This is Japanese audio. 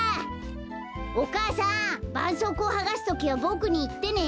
お母さんばんそうこうをはがすときはボクにいってね。